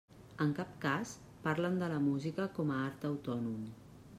En cap cas parlen de la música com a art autònom.